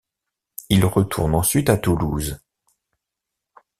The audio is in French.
Il retourne ensuite à Toulouse.